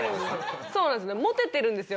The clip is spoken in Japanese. そうなんですよね持ててるんですよ